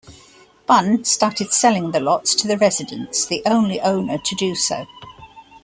Bunn started selling the lots to the residents, the only owner to do so.